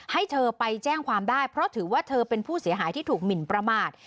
ให้เธอไปแจ้งความได้เพราะถือว่าเธอเป็นผู้เสียหายที่ถูกหมินประมาท